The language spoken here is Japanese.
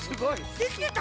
できてた？